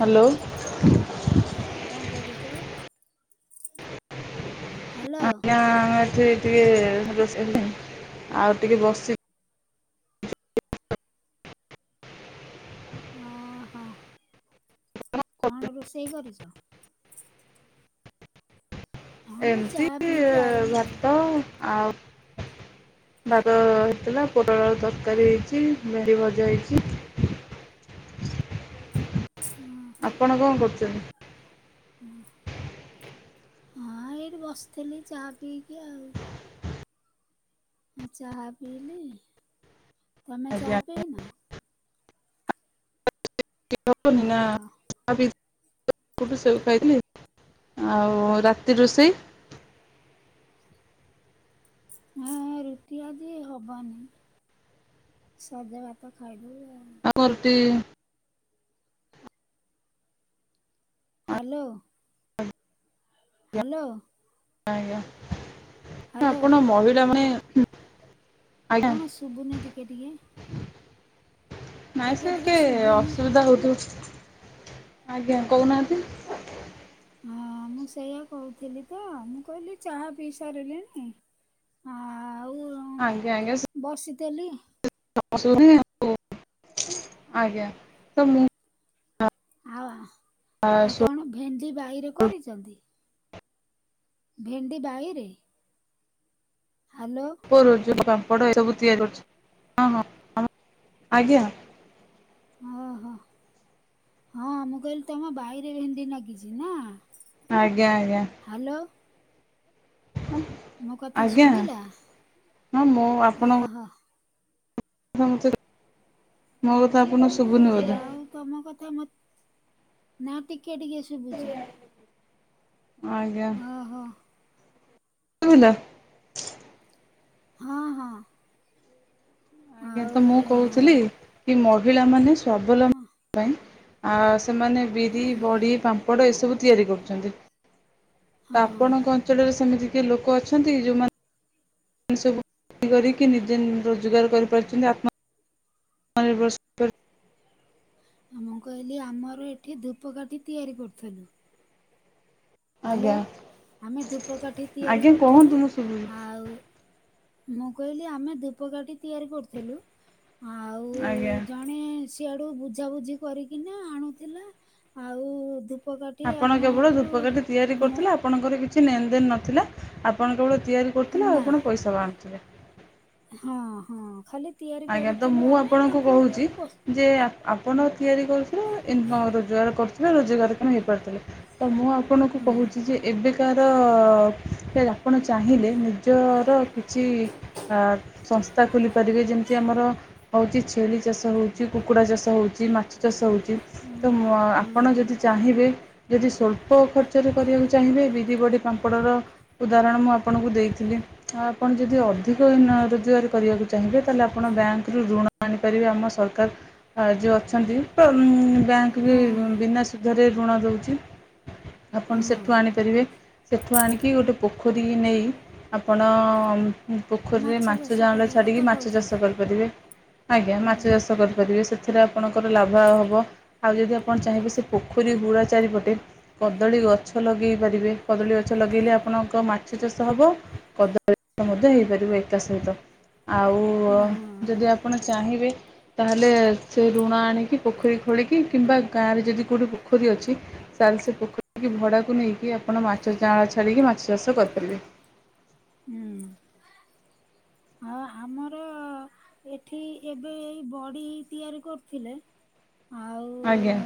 Hello. କଣ କରୁଚ? Hello. ନା ଆମେ ଏଠି ଟିକେ ରୋଷେଇ [inaudible] ଆଉ ଟିକେ ବସି ଓହୋଃ। କଣ ରୋଷେଇ କରିଛ? ହଁ ମୁଁ ଚା ଏମିତି ପିଇକି ଆଇଲିି ଆଉ ଭାତ ଆଉ ଭାତ ହେଇଥିଲା ପୋଟଳ ଆଳୁ ତରକାରୀ ହେଇଛି ଭେଣ୍ଡି ଭଜା ହେଇଛି। ଓହୋ। ଆପଣ କଣ କରୁଛନ୍ତି? ହୁଁ। ହଁ ଏଇଠି ବସିଥିଲି ଚାହା ପିଇକି ଆଉ। ଆଁ ଚାହା ପିଇଲି, ତମେ ଆଜ୍ଞା ଚାହା ପିଇନ? [inaudible] ନା ଓହୋ [inaudible] ସେଉ ଖାଇଥିଲି, ଆଉ ରାତି ରୋଷେଇ? ଅଁ-ଅଁ ରୁଟି ଆଜି ହବନି। ସଜ ଭାତ ଖାଇଦବୁ ଆଉ। କଣ ରୁଟି ହ୍ୟାଲୋ। ହ୍ୟାଲୋ। ଆଜ୍ଞା, ହ୍ୟାଲୋ ଆପଣ ମହିଳାମାନେ କଣ ଶୁଭୁନି ଟିକେ ଟିକେ? ନାଇଁ ଟିକେ ସେ ଟିକେ କେ ଶୁଭୁନି। ଅସୁବିଧା ହଉଥିବ। ଆଜ୍ଞା! କହୁନାହାନ୍ତି। ହଁ, ମୁଁ ସେଇୟା କହୁଥିଲି ତ। ମୁଁ କହିଲି ଚାହା ପିଇ ସାରିଲେଣି। ହଁ, ଆଉ। ଆଜ୍ଞ! ଆଜ୍ଞା!। ବସିଥିଲି। ହ, ଆଜ୍ଞା ତ ମୁଁ [inaudible] ଆଉ ଆହା, ଆଉ ମୁଁ କଣ ଭେଣ୍ଡି ବାଇରେ କରିଛନ୍ତି। ଭେଣ୍ଡି ବାଇରେ। ହ୍ୟାଲୋ! ପୁରୁଜୁ ପାମ୍ପଡ଼ ଏ ସବୁ ତିଆରି କରୁଛି। ହଁ, ହଁ ଆଜ୍ଞା! ଓଃ ହଁ, ହଁ, ମୁଁ କହିଲି ତମ ବାଇରେ ଭେଣ୍ଡି ଲାଗିଛି ନା? ଆଜ୍ଞା! ଆଜ୍ଞା। ହ୍ୟାଲୋ। ମୋ କଥା ଆଜ୍ଞା! ଶୁଭିଲା ହଁ, ମୁଁ ଆପଣଙ୍କୁ ଓହୋ ତମେସୁ ମୋ କଥା ଆପଣଙ୍କୁ ହଁ ଶୁଭୁନି ବୋଧେ? ଆଉ ତମ କଥା ମତେ। ନା ଟିକେ ଟିକେ ଶୁଭୁଛି। ଆଜ୍ଞା। ଓହୋ କ ହେଲା [inaudible] ହଁ, ହଁ। ଆଜ୍ଞା! ତ ମୁଁ କହୁଥିଲି। ଆଉ କି ମହିଳାମାନେ ସ୍ୱାବଲମ୍ୱି ପାଇଁ ଆ ସେମାନେ ବିରି, ବଡ଼ି, ପାମ୍ପଡ଼, ଏସବୁ ତିଆରି କରୁଛନ୍ତି। ତ ହଁ ଆପଣଙ୍କ ଅଞ୍ଚଳରେ ସେମିତି କିଏ ଲୋକ ଅଛନ୍ତି କି ଯୋଉମାନେ ଏଇ ସବୁ କରିକି ନିଜେ ରୋଜଗାର କରିପାରୁଛନ୍ତି। ଆପଣ ଅନର ବର୍ଷ [inaudible] ମୁଁ କହିଲି ଆମର ଏଠି ଧୂପକାଠି ତିଆରି କରୁଥିଲୁ। ହ୍ୟାଲୋ! ଆଜ୍ଞା ଆମେ ଧୂପକାଠି ତିଆରି ଆଜ୍ଞା କୁହନ୍ତୁ କରିୁଥିଲୁ। ମୁଁ ଶୁଭୁଛି ଆଉ ମୁଁ କହିଲି ଆମେ ଧୂପକାଠି ତିଆରି କରୁଥିଲୁ। ଆଜ୍ଞା। ଜଣେ ସିଆଡୁ ବୁଝାବୁଝି କରିକିନା ଆଣୁଥିଲା। ଆଉ ଧୂପ ଧୂପ କାଠି ଆପଣ କେବଳ ଆମଠୁ ଧୂପକାଠି ତିଆରି ଆ କରୁଥିଲେ ଆପଣଙ୍କର କିଛି ନେନଦେନ୍ ନ ନଥିଲା ଆପଣ କେବଳ ତିଆରି କରୁଥିଲେ। ଆଉ ନା ଆପଣ ପଇସା ଆଣୁଥିଲେ। ହଁ, ହଁ ଖାଲି ତିଆରି ଆଜ୍ଞା! ତ କରୁଥିଲୁ ମୁଁ ଆମେ ଆପଣଙ୍କୁ ତାଙ୍କୁ କହୁଛି ଓ ଯେ ଆପଣ ତିଆରି କରୁଥିଲେ ଇନକମ୍ ରୋଜଗାର କରୁଥିଲେ। ରୋଜଗାର କ୍ଷମ ହେଇପାରୁଥିଲେ। ତ ମୁଁ ଆପଣ ଆପଣଙ୍କୁ ହଁ କହୁଛି ଯେ, ଏବେକାର ଆପଣ ଚାହିଁଲେ ନିଜର କିଛି ବା ସସ୍ଥା ଖୋଲି ପାରିବେ। ଯେମତି, ଯେ ଆମର ହଉଛି ଛେଳି ଚାଷ ହଉଛି, କୁକୁଡ଼ା ଚାଷ ହଉଛି, ମାଛ ଚାଷ ହଉଛି। ହଁ ତ ମ ହଁ ଆପଣ ଯଦି ଚାହିଁବେ। ଯଦି ସ୍ୱଳ୍ପ ଖର୍ଚ୍ଚରେ କରିବାକୁ ଚାହିଁବେ ବିରି ବଡ଼ି ପାମ୍ପଡ଼ର ଉଦାହରଣ ମୁଁ ଆପଣଙ୍କୁ ଦେଇଥିଲି। ତ ଆପଣ ଯଦି ଅଧିକ ରୋଜଗାର କରିବାକୁ ଚାହିଁବେ ତା ହେଲେ ଆପଣ ବ୍ୟାଙ୍କରୁୁ ଋଣ ଆଣିପାରିବେ ଆମ ସରକାର ସାହାର୍ଯ୍ୟ ଅଛନ୍ତି। ବ୍ୟାଙ୍କ ବି ହଁ ବିନା ସୁଧରେ ଋଣ ଦଉଛି। ଆପଣ ସେଠୁ ହଁ ଆଣିପାରିବେ। ସେଠୁ ଆଣିକି ଗୋଟେ ପୋଖରୀ ନେଇ ଆପଣ ହୁଁ, ପୋଖରୀରେ ମାଛ ଚାଷ ଯାଉଳ କରିବା କଥା ଛାଡ଼ିକି ମା କହୁଛନ୍ତି ପାରିବେ ଆଜ୍ଞା ହଁ ମାଛ ହଁ ଚାଷ କରିପାରିବେ ସେଥିରେ ଆପଣଙ୍କର ଲାଭ ଆ ହବ। ଆଉ ଯଦି ଆପଣ ଚାହିଁବେ ସେ ପୋଖରୀ ହୁଡ଼ା ଚାରିପଟେ କଦଳୀ ଗଛ ଲଗେଇ ପାରିବେ, କଦଳୀ ଗଛ ଲଗେଇଲେ ଆପଣଙ୍କ ମାଛ ଚାଷ ହେବ କଦ ମଧ୍ୟ ହେଇପାରିବ ଏକା ସହିତ ଆଉ ହଁ ଯଦି ଆପଣ ଚାହିଁବେ ତାହେଲେ ସେ ଋଣ ଆଣିକି ପୋଖରୀ ଖୋଳିକି କିମ୍ବା ଗାଁ ରେ ଯଦି କୋଉଠି ପୋଖରୀ ଅଛି [unintelligible] ସେ ପୋଖରୀି ଭଡାକୁ ନେଇକି ଆପଣ ମାଛ ଚାଁଳ ଛାଡ଼ିକି ମାଛ ଚାଷ କରିପାରିବେ। ହୁଁ। ଆଉ ଆମର ଏଠି ଏବେ ଏଇ ବଡି ତିଆରି କରିୁଥିଲେ ଆଜ୍ଞା।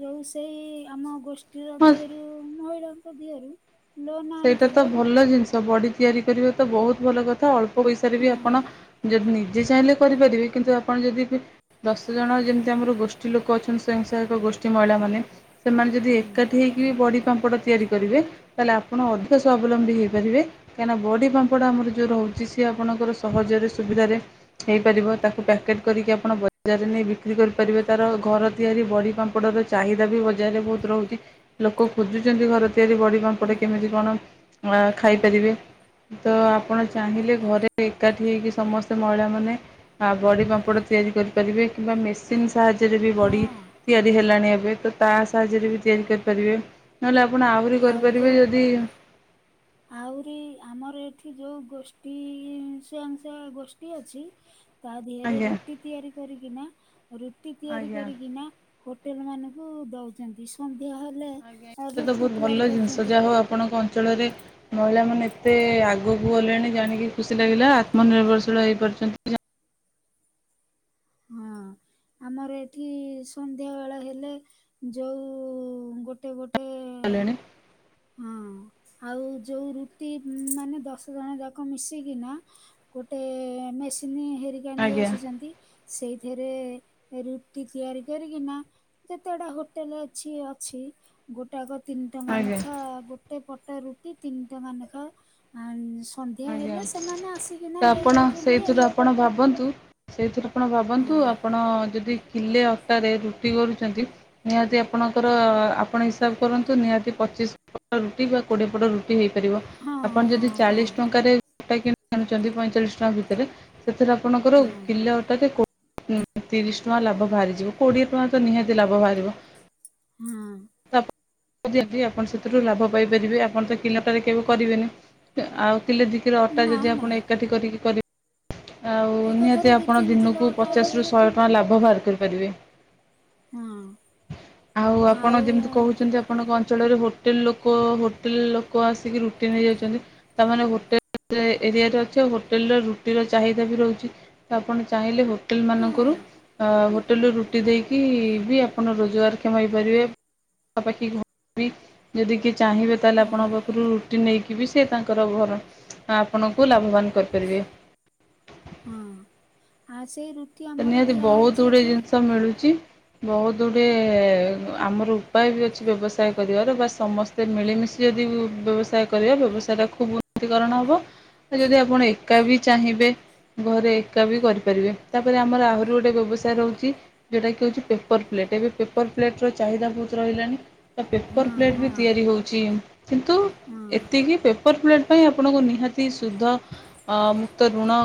ଯୋଉ ସେଇ ଆମ ଗୋଷ୍ଠୀର ହଁ ଦିଅରୁ ମହିଳାଙ୍କ ଦିଅରୁ ସେଇଟା ତ ଭଲ ଜିନିଷ ବଡ଼ି ତିଆରି କରିବା ତ ବହୁତ ଭଲ କଥା ଅଳ୍ପ ପଇସାରେ ବି ହଁ ଆପଣ ଯଦି ନିଜେ ଚାହିଁଲେ କରିପାରିବେ କିନ୍ତୁ ଆପଣ ଯଦି ଦଶ ଜଣ ଯେମିତି ଆମର ଗୋଷ୍ଠୀ ଲୋକ ଅଛନ୍ତି ସ୍ଵୟଂସହାୟକ ଗୋଷ୍ଠୀ ମହିଳାମାନେ ସେମାନେ ଯଦି ହୁଁ ଏକାଠି ହୋଇକି ବି ବଡ଼ି ପାମ୍ପଡ଼ ତିଆରି କରିବେ ତାହେଲେ ଆ ଆପଣ ଅଧିକ ସ୍ୱାବଲମ୍ବୀ ହୋଇଇପାରିବେ କାହିଁକିନା ବଡ଼ି ପାମ୍ପଡ ଆମର ଯେଉ ରହୁଛି ସିଏ ଆପଣଙ୍କର ସହଜରେ ସୁବିଧାରେ ହେଇପାରିବ ତାକୁ ପ୍ୟାକେଟ୍ କରିକି ଆପଣ ବଜାରରେ ନେଇ ବିକ୍ରି କରିପାରିବେ, ତାର ଘର ତିଆରି ବଡ଼ି ପାମ୍ପଡ଼ର ଚାହିଦା ବି ବଜାରରେ ବହୁତ ରହୁଛି ଲୋକ ଖୋଜୁଛନ୍ତି ଘର ତିଆରି ବଡ଼ି ପାମ୍ପଡ କଣ ଖାଇପାରିବେ ତ ଆପଣ ଚାହିଁଲେ ଘରେ ଏକାଠି ହୋଇକି ସମସ୍ତେ ମହିଳାମାନେ ବଡ଼ି ପାମ୍ପଡ଼ ତିଆରି କରିପାରିବେ କିମ୍ବା ମେସି ସାହାଯ୍ୟରେ ବି ହଁ ବଡି ତିଆରି ହେଲାଣି ଏବେ, ତ ତା ସାହାଯ୍ୟରେ ବି ତିଆରି କରିପାରିବେ। ନହେଲେ ଆପଣ ଆହୁରି ଆଉ କରିପାରିବେ ଯୋଉ ଯଦି ଆହୁରି ଆମର ଏଠି ଯୋଉ ଗୋଷ୍ଠୀ ସ୍ଵୟଂସହାୟକଗୋଷ୍ଠୀ ଅଛି ତା ଦେହରେ ଆଜ୍ଞା ରୁଟି ତିଆରି କରିକିନା ରୁଟି ତିଆରି ଆଜ୍ଞା କରିକିନା ହୋଟେଲ ମାନଙ୍କୁ ଦଉଛନ୍ତି ସନ୍ଧ୍ୟା ହେଲେ ଏଇଟା ତ ରୁଟି ବହୁତ ତିଆରି ଭଲ ଜିନିଷ କରୁଛନ୍ତି ଯାହା ହଉ ଆପଣଙ୍କ ଅଞ୍ଚଳରେ ମହିଳା ମାନେ ଏତେ ଆ ଆଗକୁ ଗଲେଣି ଜାଣିକି ଖୁସି ଲାଗିଲା ଆତ୍ମନିର୍ଭରଶୀଳ ହେଇପାରୁଛନ୍ତି ହଁ। ଆମର ଏଠି ସନ୍ଧ୍ୟା ବେଳ ହେଲେ ଯୋଉ ଗୋଟେ ଗୋଟେ ଗୋଟେ ହେଲେଣି ହଁ ଆଉ ଯୋଉ ରୁଟି ମାନେ ଦଶ ଜଣ ଯାକ ମିଶିକିନା ଗୋଟେ ମେସିନ ହେରିକା ନେଇ ଆଜ୍ଞା ଆସିଛନ୍ତି ସେଇଥିରେ ରୁଟି ତିଆରି କରିକିନା ଯେତେ ଗୁଡା ହୋଟେଲ ଅଛି ଅଛି ଗୋଟାକ ତିନି ଟଙ୍କାନେ ଆଜ୍ଞା। ଗୋଟେ ପଟ ରୁଟି ତିନିଟଙ୍କା ନେଖା ଆଜ୍ଞା ତ ଆପଣ ନେଇଯାଉଛନ୍ତି ଆଉ ସେଇଥିରୁ ଆପଣ ଭାବନ୍ତୁ ସେଇଥିରେ ଆପଣ ଭାବନ୍ତୁ ହଁ ଆପଣ ଯଦି କିଲେ ଅଟାରେ ରୁଟି କରୁଛନ୍ତି ନିହାତି ଆପଣଙ୍କର ଆପଣ ହିସାବ କରନ୍ତୁ ନିହାତି ପଚିଶ ରୁଟି ବା କୋଡିଏ ପଟ ରୁଟି ହେଇପାରିବ ହଁ ଆପଣ ଯଦି ହଁ ହଁ ଚାଳିଶ ଟା କିଣି ଆଣୁଛନ୍ତି ପଇଁଚାଳିଶ ଟଙ୍କା ଭିତରେ ସେଥିରେ ଆପଣଙ୍କର ହୁଁ କିଲେ ଅଟା ରେ ତିରିଶ ଟଙ୍କା ଲାଭ ବାହାରିଯିବ କୋଡିଏ ଟଙ୍କା ତ ନିହାତି ଲାଭ ବାହାରିବ। ହୁଁ [unintelligible] ଆପଣ ସେଥିରୁ ଲାଭ ପାଇପାରିବେ ଆପଣ ତ କିିଲେ ଅଟାରେ କେବେ କରିବେନି ଆଉ କିଲେ ଦିକିଲେ ଅଟା ଯଦି ନାଇଁ ଆପଣ ନାଇଁ ଏକାଠି କରିକି କରିବେ ଆଉ ନିହାତି ଏକାଥରେ ଦି ଆପଣ ତିନି କିଲୋ ଦିନକୁ ଅଟା ପଚାଶରୁୁ ହୁଏ। ଶହେ ଟଙ୍କା ଲାଭ ବାହାର କରିପାରିବେ। ହଁ ଆଉ ଆପଣ ଯେମିତି କହୁଛନ୍ତି। ଆପଣଙ୍କ ଅଞ୍ଚଳରେ ହୋଟେଲ୍ ଲୋକ ହୋଟେଲ୍ ଲୋକ ଆସିକି ରୁଟି ନେଇଯାଉଛନ୍ତି ତାମାନେ- ଏରିଆରେ ଅଛି ଆଉ ହୋଟେଲରେ ରୁଟିର ଚାହିଦା ବି ରହୁଛି ତ ଆପଣ ଚାହିଁଲେ ହୋଟେଲ ହଁ ମାନଙ୍କରୁ ହୋଟେଲ୍ ରୁ ରୁଟି ଦେଇକି ବି ଆପଣ ରୋଜଗାର କ୍ଷମ ହେପାରିବେ ପାଖା ପାଖି ଯଦି କିଏ ଚାହିଁବେ ତାହେଲେ ହଁ ଆପଣଙ୍କ ପାଖରୁ ରୁଟି ନେଇକି ବି ସେ ତାଙ୍କର ଘର ଆପଣଙ୍କୁ ଲାଭବାନ କରିପାରିବେ। ହଁ ଆଉ ସେଇ ରୁ ନିହାତି ବହୁତ ଗୁଡେ ଜିନିଷ ମିଳୁଛି। ବହୁତ ଗୁଡ଼ିଏ ଆମର ଉପାୟ ବି ଅଛି ବ୍ୟବସାୟ କରିବାର ବା ସମସ୍ତ ଯଦି ମିଳିମିଶି ଯଦି ବ୍ୟବସାୟ କରିବା ବ୍ୟବସାୟଟା ଖୁବ୍ ଉନ୍ନତିକରଣ ହେବ। ଯଦି ଆପଣ ଏକା ବି ଚାହିଁବେ ଘରେ ଏକା ବି କରିପାରିବେ। ତାପରେ ଆମର ଆହୁରି ଗୋଟେ ବ୍ୟବସାୟ ରହୁଛି। ଯେଉଟା କି ହଉଛି ପେପର ପ୍ଲେଟ୍ ଏବେ ପେପର ପ୍ଲେଟ ର ଚାହିଦା ବହୁତ ରହିଲାଣି। ପେପର ହଁ ପ୍ଲେଟ୍ ବି ହଁ ତିଆରି ହେଉଛି କିନ୍ତୁ ହଁ। ଏତିକି ପେପର ପ୍ଲେଟ୍ ପାଇଁ ଆପଣଙ୍କୁ ନିହାତି ଶୁଦ୍ଧ ମୁକ୍ତ ଋଣ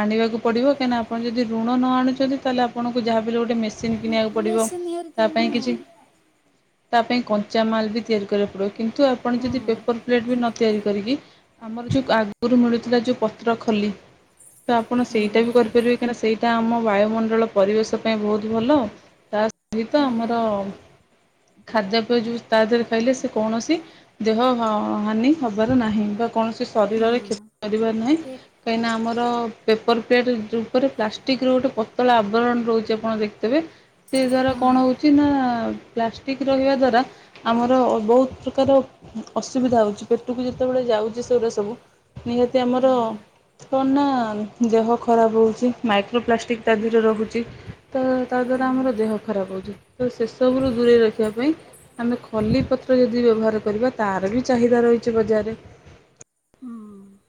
ଆଣିବାକୁ ପଡ଼ିବ କାହିଁକିନା ଆପଣ ଯଦି ଋଣ ନ ଆଣୁଛନ୍ତି ତାହେଲେ ଆପଣଙ୍କୁ ଯାହାବି ହେଲେ ଗୋଟେ ମେସିନ୍ କିଣିବାକୁ ପଡ଼ିବ ମେସିନ୍ ତା ହେରିକା ପାଇଁ ହଁ କିଛି ତା ପାଇଁ ଚାମାଲ୍ ବି ତିଆରି କରିବାକୁ ପଡ଼ିବ କିନ୍ତୁ ଆପଣ ଯଦି ପେପର୍ ପ୍ଲେଟ୍ ବି ନ ତିଆରି କରିକି ଆମର ଯେଉଁ ଆଗରୁ ମିଳୁଥିଲା ଯେଉଁ ପତ୍ର ଖୋଲି ତ ଆପଣ ହଁ ସେଇଟା ବି କରିପାରିବେ କାହିଁକି ନା ସେଇଟା ଆମ ବାୟୁମଣ୍ଡଳ ପରିବେଶ ପାଇଁ ବହୁତ ଭଲ ତା ସହିତ ହଁ ଆମର ଖାଦ୍ୟ ପେୟ ଯୋଉ ତା ଦେହରେ ଖାଇଲେ ସେ କୌଣସି ଦେହ ହ ହାନି ହବାର ନାହିଁ ବା କୌଣସି ଶରୀରରେ ହଁ କ୍ଷତି କରିବାର ନାହିଁ ଏ କାହିଁକିନା ଆମର ପେପର ପ୍ଲେଟ୍ ଯେଉଁ ଉପରେ ପ୍ଲାଷ୍ଟିକ୍ ର ଗୋଟେ ପତଳା ଆବରଣ ରହୁଛି ଆପଣ ଦେଖ ତେବେ ସେ ଦ୍ୱାରା ହଁ କଣ ହେଉଛି ନା ପ୍ଲାଷ୍ଟିକ୍ ରହିବା ଦ୍ଵାରା ଆମର ବହୁତ ପ୍ରକାର ଅସୁବିଧା ହଉଛି ପେଟକୁ ଯେତେବେଳେ ଯାଉଛି ସେଗୁଡ଼ା ସବୁ ନିହାତି ଆମର ହଁ କଣ ନା ଦେହ ଖରାପ ହେଉଛି ମାଇକ୍ରୋପ୍ଲାଷ୍ଟିକ୍ ତା ହଁ ଦେହରେ ରଖହୁଛି ତ ତା ଦ୍ୱାରା ଆମର ଦେହ ହଁ। ଖରାପ ହେଉଛି ତ ସେସବୁରୁ ଦୂରେଇ ରଖିବା ପାଇଁ ଆମେ ଖଲି ପତ୍ର ଯଦି ବ୍ୟବହାର କରିବା ତାର ବି ଚାହିଦା ରହିଛି ବଜାରରେ। ହଁ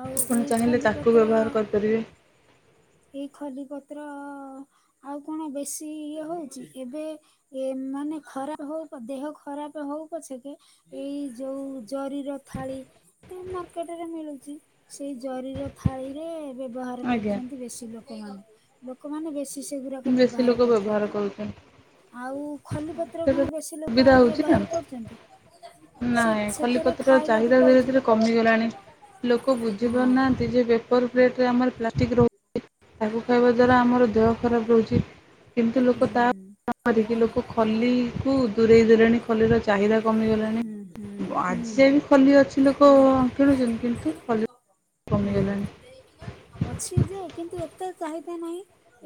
ଆଉ ଏଇ ଚାହିଁଲେ ତାକୁ ଖଲିପତ୍ର ବ୍ୟବହାର କରିପାରିବେ। ଏଇ ଖଲି ପତ୍ର ଆଉ କଣ ବେଶୀ ଇଏ ହଉଛି ଏବେ ଏମାନେ ଖରାପ ହଉ ଦେହ ଖରାପ ହଉ ପଛେ କି ଏଇ ଯୋଉ ଜରିର ଥାଳି ଏ ମାର୍କେଟ୍ ରେ ମିଳୁଛି ସେଇ ଜରିର ଥାଳି ରେ ବ୍ୟବହାର ଆଜ୍ଞା କରୁଛନ୍ତି ବେଶୀ ଲୋକ ଲୋକମାନେ ଲୋକମାନେ ବେଶି ସେଗୁଡ଼ାକ ବେଶୀ ବ୍ୟବହାର ଲୋକ କରୁଛନ୍ତି କରୁଛନ୍ତି ଆଉ ଖଲି ପତ୍ର ସେଟା କଣ ବେଶୀ ଲୋକ ସୁବିଧା ଆଉ ହେଉଛି ବ୍ୟବହାର ନା କରୁଛନ୍ତି। ସେ ନାଇଁ ସେଥିରେ ଖଲିପତ୍ରର ଖାଇଲାଠୁ ଚାହିଦା ଧୀରେ କହୁଛି ଧୀରେ କମିଗଲାଣି ଲୋକ ବୁଝି ହଁ। ପାରୁନାହାନ୍ତି ଯେ ପେପର୍ ପ୍ଲେଟ୍ ଆମର ପ୍ଲାଷ୍ଟିକ୍ ରହୁଛି ତାକୁ ଖାଇବା ଦ୍ୱାରା ଆମର ଦେହ ଖରାପ ରହୁଛି। କିମିତି ଲୋକ ତା ହୁଁ [unintelligible] କରିକି ଲୋକ ଖଲି କୁ ଦୂରେଇ ଦେଲେଣି ଖଲିର ଚାହିଦା କମିଗଲାଣି ହୁଁ ହୁଁ ଆଜି ହୁଁ। ଯାଏ ବିି ଖଲି ଅଛି ଲୋକ କିଣୁଛନ୍ତି କିନ୍ତୁ ଖଲି କମି ହଁ ଗଲାଣି। ଅଛି ଯେ କିନ୍ତୁ ଏତେ ଚାହିଦା ନାହିଁ।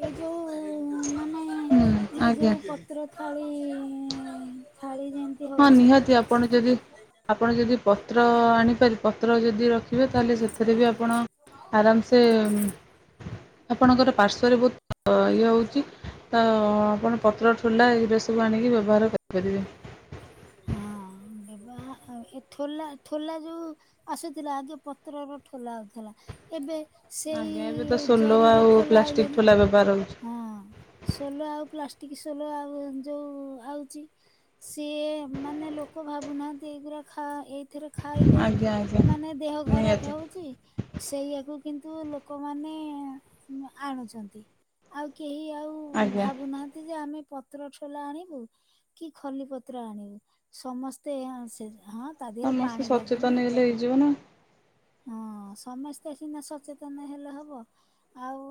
ଏ ଯୋଉ ମାନେ ହୁଁ ଇଏ ଆଜ୍ଞା ଯୋଉ ପ ତ୍ର ଥାଳି ଥାଳି ଯେମି ହଁ ନିହାତି ଆପଣ ଯଦି ଆପଣ ଯଦି ପତ୍ର ଆଣିପାରି ପତ୍ର ଯଦି ରଖିବେ ତାହେଲେ ସେଥିରେ ବି ଆପଣ ଆରାମସ୍ ସେ ଆପଣଙ୍କର ପାର୍ଶ୍ୱରେ ବହୁତ ଇଏ ହେଉଚି ତ ଆପଣ ପତ୍ର ଠୋଲା ଏଗୁରା ସବୁ ଆଣିକି ବ୍ୟବହାର କରିପାରିବେ। ହଁ ବ୍ୟବହା ଏ ଠୋଲା ଠୋଲା ଯୁ ଆସୁଥିଲା ଆଗେ ପତ୍ରର ଠୋଲା ଆଉଥିଲା ଏବେ ସେଇ ଜରିର ଠୋଲା ଆଇଲାଣି। ତମେ ବାର ହଁ ସୋଲ ଆଉ ପ୍ଲାଷ୍ଟିକ ସୋଲ ଆଉ ଯୋଉ ଆଉଚି ସିଏ ମାନେ ଲୋକ ଭାବୁନାହାନ୍ତି ଏଇଗୁରା ଖା ଏଇଥିରେ ଖାଇଲେ ଆଜ୍ଞା ଆଜ୍ଞା ମାନେ ଦେହ ଖରାପ ନିହାତି ହେଉଚି ସେଇଆକୁ କିନ୍ତୁ ଲୋକମାନେ ଆଣୁଚନ୍ତି। ଆଉ କେହି ଆଉ ଆଜ୍ଞା ଭାବୁନାହାଁନ୍ତି ଯେ ଆମେ ପ ତ୍ର ଠୋଲା ଆଣିବୁ କି ଖଲି ପତ୍ର ଆଣିବୁ ସମସ୍ତେ ଏୟା ହଁ ସେ ହଁ ତା ଦେହରେ ସମସ୍ତେ ପାଣି ଲାଗୁନି? ସଚେତନ ହେଇଯିବ ନା ହଁ ସମସ୍ତେ ସିନା ସଚେତନ ହେଲେ ହବ ଆଉ